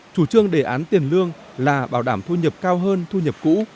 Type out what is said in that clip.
chủ trương đề án tiền lương là bảo đảm thu nhập cao hơn thu nhập cũ